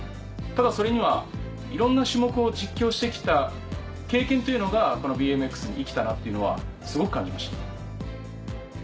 ただそれにはいろんな種目を実況して来た経験というのがこのＢＭＸに生きたなっていうのはすごく感じました。